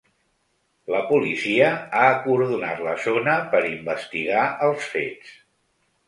La policia ha acordonat la zona per investigar els fets.